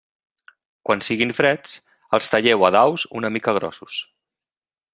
Quan siguin freds, els talleu a daus una mica grossos.